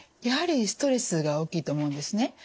やはりストレスが大きいと思うんですね。